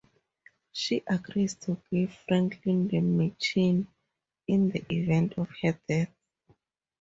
She agrees to give Franklin the machine in the event of her death.